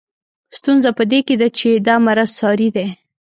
ستونزه په دې کې ده چې دا مرض ساري دی.